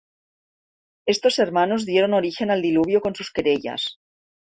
Estos hermanos dieron origen al diluvio con sus querellas.